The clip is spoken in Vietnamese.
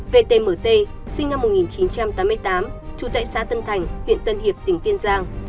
vtmt sinh năm một nghìn chín trăm tám mươi tám trú tại xã tân thành huyện tân hiệp tỉnh kiên giang